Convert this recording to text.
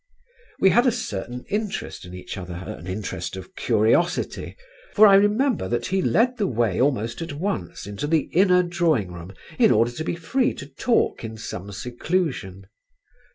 We had a certain interest in each other, an interest of curiosity, for I remember that he led the way almost at once into the inner drawing room in order to be free to talk in some seclusion.